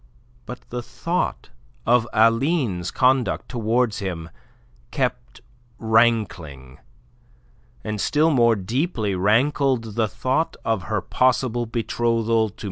But the thought of Aline's conduct towards him kept rankling, and still more deeply rankled the thought of her possible betrothal to M.